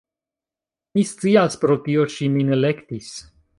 Mi scias, pro tio ŝi min elektis